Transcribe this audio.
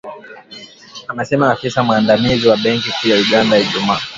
amesema afisa mwandamizi wa benki kuu ya Uganda Ijumaa